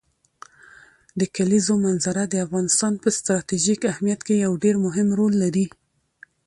د کلیزو منظره د افغانستان په ستراتیژیک اهمیت کې یو ډېر مهم رول لري.